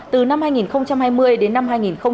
từ năm hai nghìn hai mươi đến năm hai nghìn hai mươi